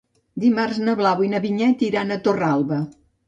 Dimarts na Blau i na Vinyet iran a Torralba.